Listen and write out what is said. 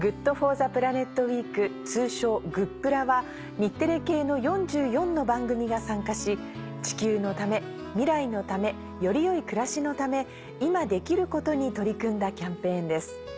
ウィーク通称「＃グップラ」は日テレ系の４４の番組が参加し地球のため未来のためより良い暮らしのため今できることに取り組んだキャンペーンです。